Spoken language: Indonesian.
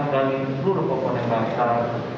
dan agar semua orang bisa berpapunan